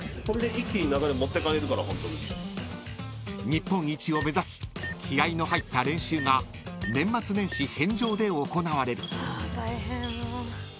［日本一を目指し気合の入った練習が年末年始返上で行われる］